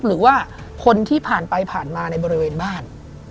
หรือว่าคนที่ผ่านไปผ่านมาในบริเวณบ้าน